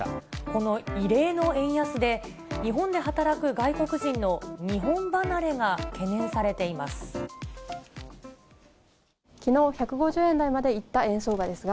この異例の円安で、日本で働く外国人の日本離れが懸念されています。